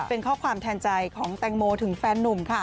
เป็นข้อความแทนใจของแตงโมถึงแฟนนุ่มค่ะ